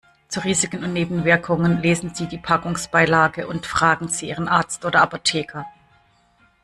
Zu Risiken und Nebenwirkungen lesen Sie die Packungsbeilage und fragen Sie Ihren Arzt oder Apotheker.